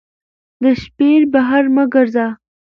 د شپې بهر مه ګرځه